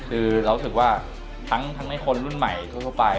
คือเรารู้สึกว่าทั้งในคนรุ่นใหม่ทั่วไป